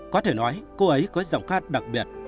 có thể nói cô ấy có giọng hát đặc biệt